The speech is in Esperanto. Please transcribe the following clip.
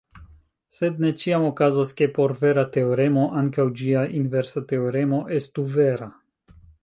Sed ne ĉiam okazas, ke por vera teoremo ankaŭ ĝia inversa teoremo estu vera.